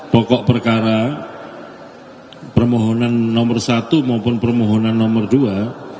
pokok perkara permohonan nomor satu maupun permohonan nomor dua